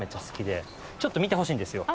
ちょっと見てほしいんですよ。